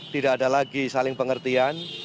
tidak ada lagi saling pengertian